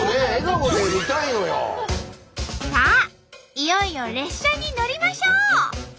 いよいよ列車に乗りましょう！